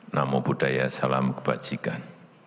namo buddhaya salam kebajikan